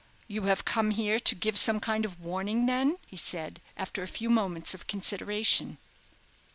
"You have come here to give some kind of warning, then?" he said, after a few moments of consideration.